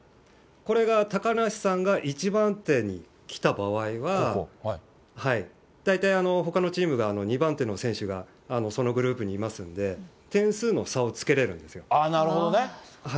これが高梨さんが１番手に来た場合は、大体、ほかのチームが２番手の選手がそのグループにいますんで、点数の差をつけれるんですよ。